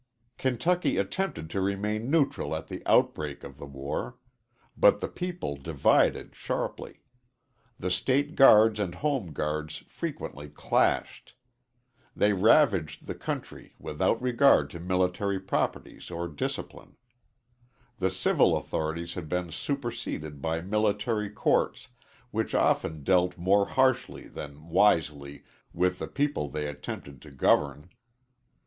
Kentucky attempted to remain neutral at the outbreak of the war. But the people divided sharply. The State Guards and Home Guards frequently clashed. They ravaged the country without regard to military proprieties or discipline. The civil authorities had been superseded by military courts which often dealt more harshly than wisely with the people they attempted to govern.